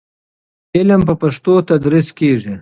علم په پښتو تدریس کېږي.